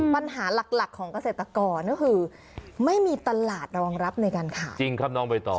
ปัญหาหลักของเกษตรกรก็คือไม่มีตลาดรองรับในการขาด